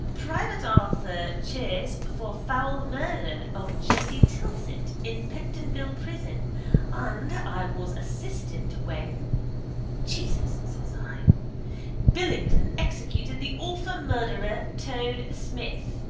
—... private Arthur Chace for fowl murder of Jessie Tilsit in Pentonville prison and i was assistant when... —Jesus, says I. —_... Billington executed the awful murderer Toad Smith...